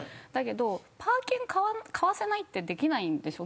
でも、パー券買わせないってできないんです。